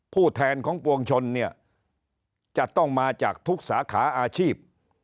ผู้แทนของปวงชนเนี่ยจะต้องมาจากทุกสาขาอาชีพ